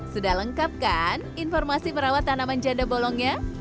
sudah lengkap kan informasi merawat tanaman janda bolongnya